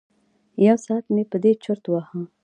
یو ساعت مې په دې چرت وهه.